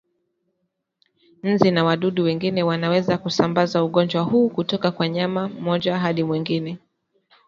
Nzi na wadudu wengine wanaweza kusambaza ugonjwa huu kutoka kwa mnyama mmoja hadi mwingine